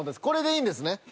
これでいいんですね。